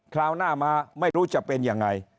คราวหน้ามาไม่รู้จะเป็นยังไง